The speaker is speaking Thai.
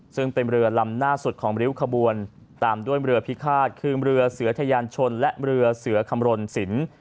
ซึ่งเป็นเรือลำหน้าสุดของริ้วขบวนตามด้วยเรือพิฆาตคือเรือเสือทะยานชนและเรือเสือคำรณสิน